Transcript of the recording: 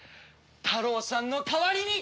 タロウさんの代わりに！